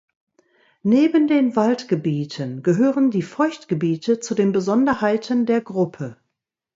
Neben den Waldgebieten gehören die Feuchtgebiete zu den Besonderheiten der Gruppe.